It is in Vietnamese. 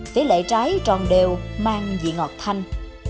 tỷ lệ trái tròn đều mang vị ngọt thanh